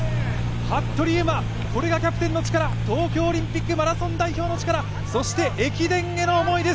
服部勇馬、これがキャプテンの力、東京オリンピックマラソン代表の力、そして駅伝への思いです。